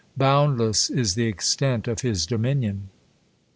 Boundless is the extent of bis dominion.